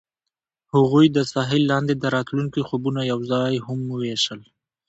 هغوی د ساحل لاندې د راتلونکي خوبونه یوځای هم وویشل.